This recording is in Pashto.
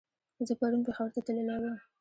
زه پرون پېښور ته تللی ووم